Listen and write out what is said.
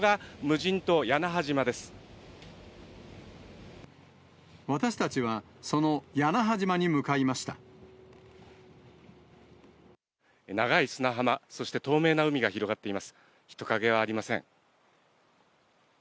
人影はありません。